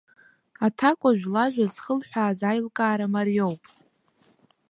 Аҭакәажә лажәа зхылҳәааз аилкаара мариоуп.